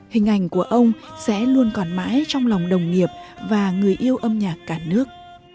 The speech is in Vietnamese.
hình ảnh của ông sẽ luôn còn mãi trong lòng đồng nghiệp và người yêu âm nhạc cả nước